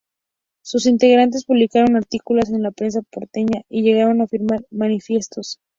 Sus integrantes publicaron artículos en la prensa porteña y llegaron a firmar manifiestos.